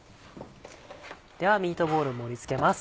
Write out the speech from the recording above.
ではミートボール盛り付けます。